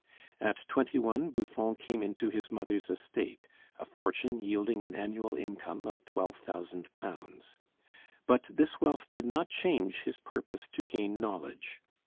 At twenty one Buffon came into his mother's estate, a fortune yielding an annual income of £12,000. But this wealth did not change his purpose to gain knowledge.